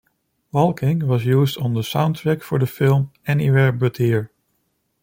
"Walking" was used on the soundtrack for the film, "Anywhere but Here".